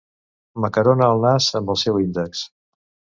M'acarona el nas amb el seu índex.